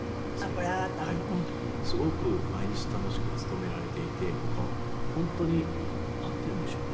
すごく毎日楽しく勤められていて僕は本当になんていうんでしょうね。